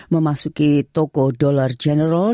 memasuki toko dollar general